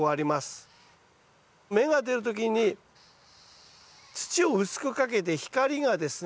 芽が出る時に土を薄くかけて光がですね